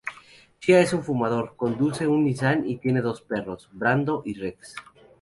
Shia es un fumador, conduce un Nissan y tiene dos perros: Brando y Rex.